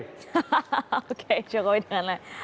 oke jokowi dengan yang lain